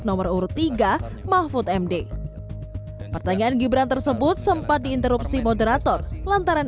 nomor urut tiga mahfud md pertanyaan gibran tersebut sempat diinterupsi moderator lantaran